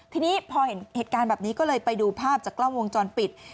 ทีนี้พอเห็นเหตุการณ์แบบนี้ก็เลยไปดูภาพจากกล้องวงจรปิด